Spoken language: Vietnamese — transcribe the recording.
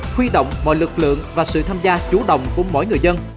huy động mọi lực lượng và sự tham gia chủ động của mỗi người dân